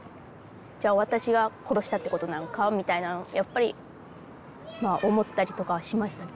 じゃあ私が殺したってことなのかみたいなのをやっぱり思ったりとかはしましたね。